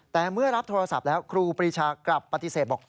แต่เมื่อรับโทรศัพท์แล้วครูปรีชากลับปฏิเสธบอก